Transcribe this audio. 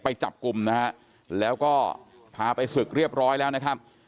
ไปจับกลุ่มนะฮะแล้วก็พาไปศึกเรียบร้อยแล้วนะครับ